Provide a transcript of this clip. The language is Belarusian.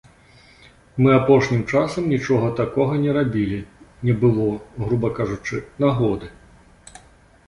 Мы апошнім часам нічога такога не рабілі, не было, груба кажучы, нагоды.